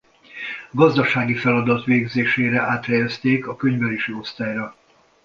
Gazdasági feladat végzésére áthelyezték a könyvelési osztályra.